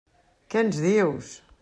Què ens dius?